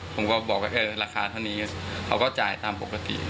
ผมก็บอกว่าราคาเท่านี้เขาก็จ่ายตามปกติ